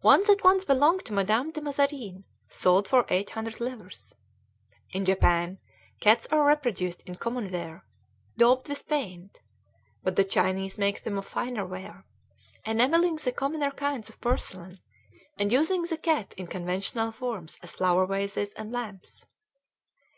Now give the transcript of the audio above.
One that once belonged to Madame de Mazarin sold for eight hundred livres. In Japan, cats are reproduced in common ware, daubed with paint, but the Chinese make them of finer ware, enamelling the commoner kinds of porcelain and using the cat in conventional forms as flower vases and lamps.